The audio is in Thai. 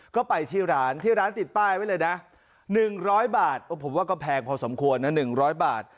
ก็ไปที่ร้านที่ร้านติดป้ายไว้เลยนะ๑๐๐บาทผมว่าก็แพงพอสมควรนะ๑๐๐บาท